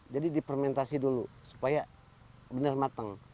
jadi dipermentasi dulu supaya benar matang